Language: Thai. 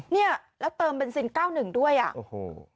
เนี่ยแล้วเติมเบนซินเก้าหนึ่งด้วยอ่ะโอ้โห